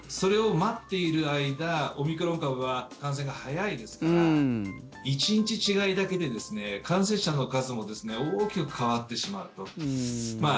それを待っている間オミクロン株は感染が早いですから１日違いだけで感染者の数も大きく変わってしまうと。